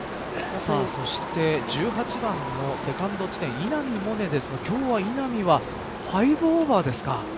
そして１８番のセカンド地点稲見萌寧ですが稲見は５オーバーですか。